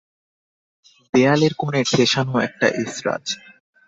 দেয়ালের কোণে ঠেসানো একটা এসরাজ।